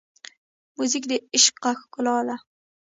موزیک د عشقه ښکلا ده.